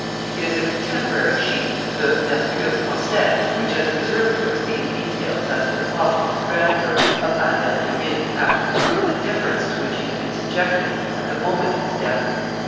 It is a contemporary sheet, the Mercure Francais, which has preserved to us these details as to the posthumous grandeur of Albert de Luynes, after the brutal indifference to which he had been subjected at the moment of his death.